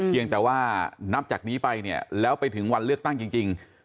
เพียงแต่ว่านับจากนี้ไปเนี่ยแล้วไปถึงวันเลือกตั้งจริง